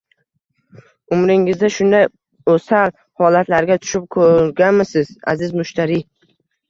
Umringizda shunday o‘sal holatlarga tushib ko‘rganmisiz, aziz mushtariy?